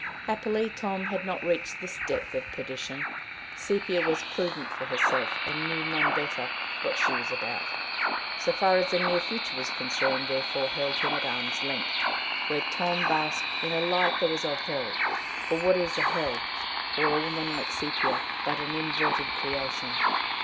Happily Tom had not reached this depth of perdition; Sepia was prudent for herself, and knew, none better, what she was about, so far as the near future was concerned, therefore held him at arm's length, where Tom basked in a light that was of hell for what is a hell, or a woman like Sepia, but an inverted creation?